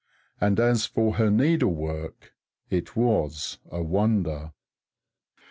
And as for her needlework, it was a wonder.